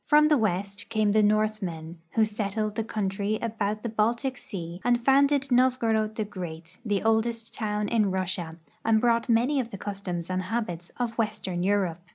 From the Avest came the Northmen, Avho settled the country about the Baltic sea and founded NoA'gorod the Great, tlie oldest toAvn in Russia, and brought many of the customs and habits of western Europe.